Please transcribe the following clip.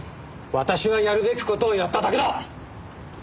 私はやるべき事をやっただけだ！